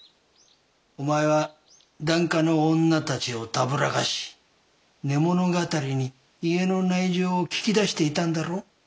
お前は檀家の女たちをたぶらかし寝物語に家の内情を聞き出していたんだろ？